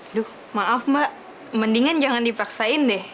aduh maaf mbak mendingan jangan dipaksain deh